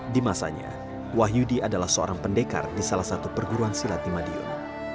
di masanya wahyudi adalah seorang pendekar di salah satu perguruan silat di madiun